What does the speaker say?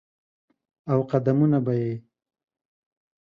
او قدمونه به یې،